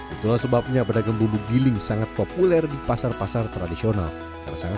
itulah sebabnya beragam bumbu giling sangat populer di pasar pasar tradisional karena sangat